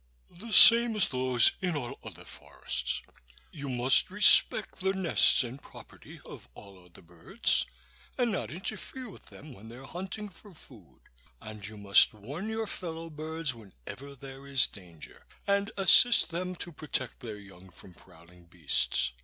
"The same as those in all other forests. You must respect the nests and the property of all other birds, and not interfere with them when they're hunting for food. And you must warn your fellow birds whenever there is danger, and assist them to protect their young from prowling beasts.